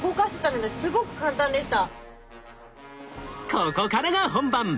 ここからが本番。